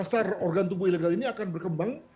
pasar organ tubuh ilegal ini akan berkembang